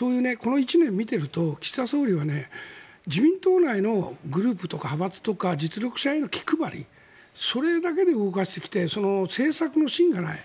この１年を見ていると岸田総理は自民党内のグループとか派閥とか実力者への気配りそれだけで動かしてきて政策の芯がない。